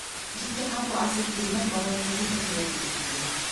Ишекте ҡапыл асып, Ирмәт бабай ҡыҙы Хәтирә килеп инде.